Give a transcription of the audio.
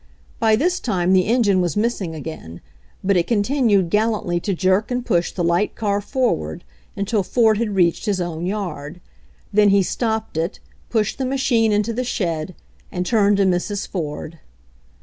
By this time the engine was missing again, but it continued gallantly to jerk and push the light car forward until Ford had reached his own yard. Then he stopped it, pushed the machine into the shed, and turned to Mrs. Ford.